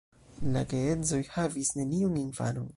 La geedzoj havis neniun infanon.